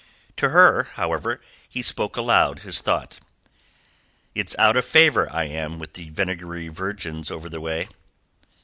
To her, however, he spoke aloud his thought. "It's out of favour I am with the vinegary virgins over the way."